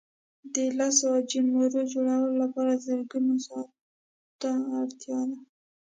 د لسو عاجي مرو جوړولو لپاره زرګونه کاري ساعته اړتیا ده.